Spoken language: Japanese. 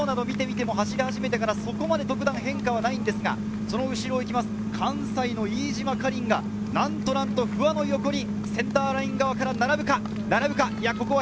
不破の表情などを見てみても、走り始めてからそこまで特段、変化はないですが、その後ろを行く関西の飯島果琳がなんとなんと不破の横にセンターライン側から並ぶか？